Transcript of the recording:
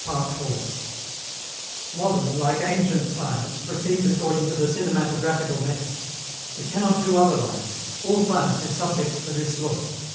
Modern, like ancient, science proceeds according to the cinematographical method. It cannot do otherwise; all science is subject to this law.